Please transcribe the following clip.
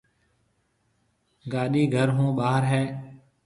گاڏيِ گهر هون ٻاهر هيَ۔